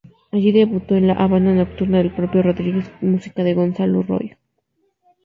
Allí debutó en "La Habana nocturna", del propio Rodríguez, con música de Gonzalo Roig.